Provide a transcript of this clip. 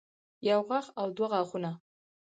يو غاښ او دوه غاښونه